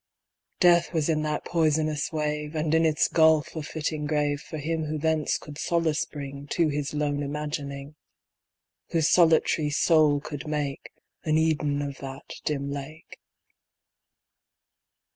Death was in that poisonous wave, And in its gulf a fitting grave For him who thence could solace bring To his lone imagining— Whose solitary soul could make An Eden of that dim lake.